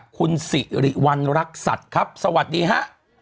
คุณสิริวัณรักษัตริย์ครับสวัสดีฮะ